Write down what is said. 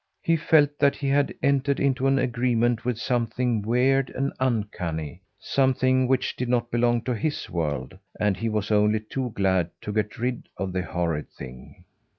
He felt that he had entered into an agreement with something weird and uncanny; something which did not belong to his world, and he was only too glad to get rid of the horrid thing.